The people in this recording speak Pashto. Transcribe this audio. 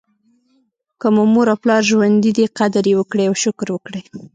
که مو مور او پلار ژوندي دي قدر یې وکړئ او شکر وکړئ.